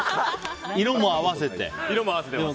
色も合わせてます。